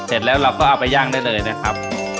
เสร็จแล้วเราก็เอาไปย่างได้เลยนะครับ